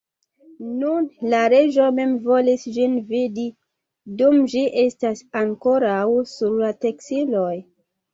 Nun la reĝo mem volis ĝin vidi, dum ĝi estas ankoraŭ sur la teksiloj.